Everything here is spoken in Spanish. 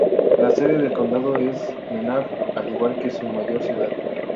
La sede del condado es Menard, al igual que su mayor ciudad.